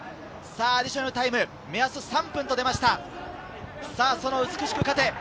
アディショナルタイム、目安３分と出ました。